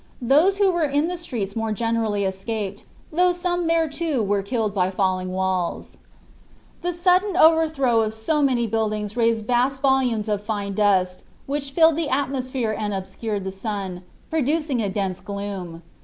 Those who were in the streets more generally escaped, though some there, too, were killed by falling walls. The sudden overthrow of so many buildings raised vast volumes of fine dust, which filled the atmosphere and obscured the sun, producing a dense gloom.